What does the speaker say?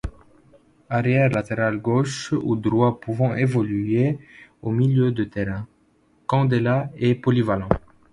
Arrière latéral gauche ou droit pouvant évoluer au milieu de terrain, Candela est polyvalent.